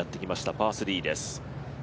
パー３です。